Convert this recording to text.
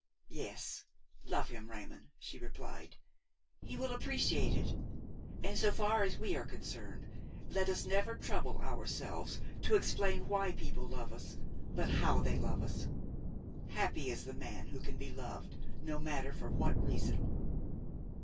"Yes, love him, Raymon," she replied; "he will appreciate it; and, so far as we are concerned, let us never trouble ourselves to explain why people love us, but how they love us. Happy the man who can be loved, no matter for what reason!''